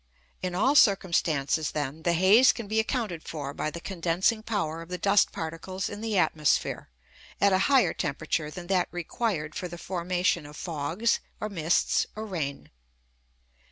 In all circumstances, then, the haze can be accounted for by the condensing power of the dust particles in the atmosphere, at a higher temperature than that required for the formation of fogs, or mists, or rain.